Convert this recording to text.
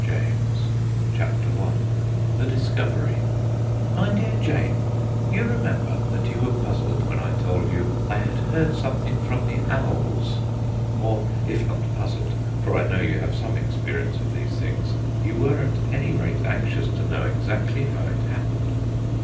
WAG AT HOME 155 I THE DISCOVERY My Dear Jane, You remember that you were puzzled when I told you I had heard something from the owls or if not puzzled (for I know you have some experience of these things), you were at any rate anxious to know exactly how it happened.